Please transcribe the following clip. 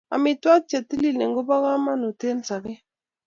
amitwagik chetililen kobokamangut eng sabet